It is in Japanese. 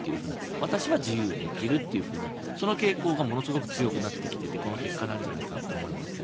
私は自由に生きるという傾向がものすごく強くなってきていてこの結果なんじゃないかと思いますね。